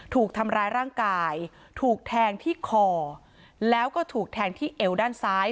ถูกทำร้ายร่างกายถูกแทงที่คอแล้วก็ถูกแทงที่เอวด้านซ้าย